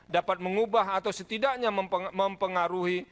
dapat mengubah atau setidaknya mempengaruhi